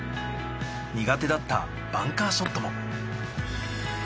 苦手だったバンカーショットも。